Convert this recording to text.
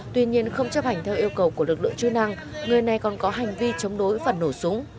tuy nhiên không chấp hành theo yêu cầu của lực lượng chư năng người này còn có hành vi chống đối phần nổ súng